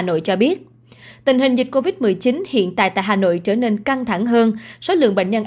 hà nội cho biết tình hình dịch covid một mươi chín hiện tại tại hà nội trở nên căng thẳng hơn số lượng bệnh nhân